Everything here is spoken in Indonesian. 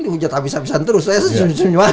dihujat abis abisan terus saya senyum senyum aja